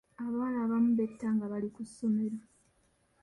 Abawala abamu betta nga bali ku ssomero.